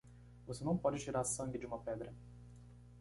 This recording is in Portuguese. Você não pode tirar sangue de uma pedra.